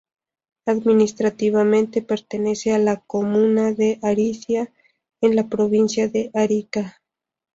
Administrativamente pertenece a la comuna de Arica, en la Provincia de Arica.